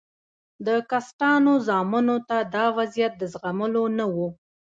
د کسټانو زامنو ته دا وضعیت د زغملو نه و.